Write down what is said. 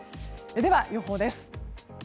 では予報です。